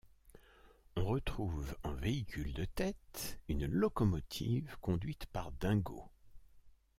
On retrouve en véhicule de tête une locomotive conduite par Dingo.